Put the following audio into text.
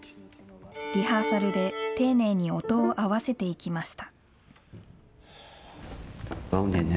リハーサルで丁寧に音を合わせていきました。